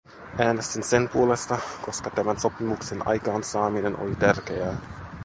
Äänestin sen puolesta, koska tämän sopimuksen aikaansaaminen oli tärkeää.